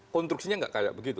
konstruksinya nggak kayak begitu